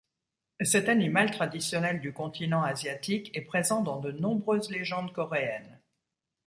Cet animal traditionnel du continent asiatique est présent dans de nombreuses légendes coréennes.